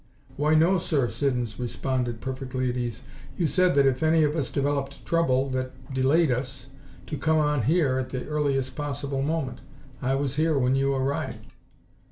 "Why, no sir," Siddons responded, perfectly at ease. "You said that if any of us developed trouble that delayed us, to come on here at the earliest possible moment. I was here when you arrived."